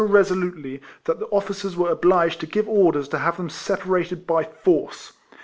255 resolutely, that the officers were obliged to give orders to have them separated by force.